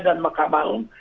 dan mahkamah agung